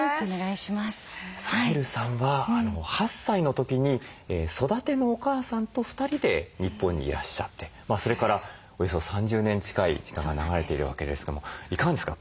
サヘルさんは８歳の時に育てのお母さんと２人で日本にいらっしゃってそれからおよそ３０年近い時間が流れているわけですけどもいかがですか？